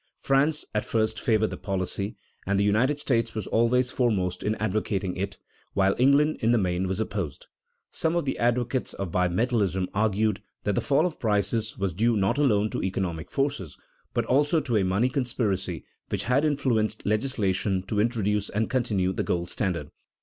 France at first favored the policy, and the United States was always foremost in advocating it, while England in the main was opposed. Some of the advocates of bimetallism argued that the fall of prices was due not alone to economic forces, but also to a money conspiracy which had influenced legislation to introduce and continue the gold standard.